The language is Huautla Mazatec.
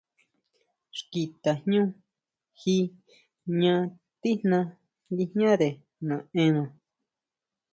Xki tajñú ji jña tijna nguijñare naʼena.